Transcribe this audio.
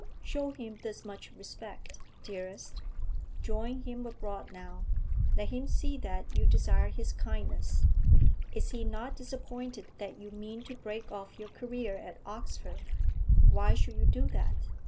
Show him this much respect, dearest; join him abroad now; let him see that you desire his kindness. Is he not disappointed that you mean to break off your career at Oxford? Why should you do that?